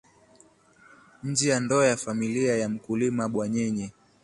nje ya ndoa ya familia ya mkulima bwanyenye